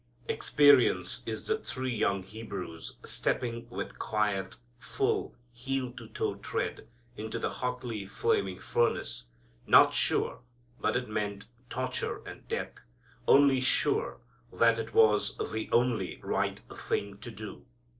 Experience is the three young Hebrews stepping with quiet, full, heel to toe tread into the hotly flaming furnace, not sure but it meant torture and death, only sure that it was the only right thing to do.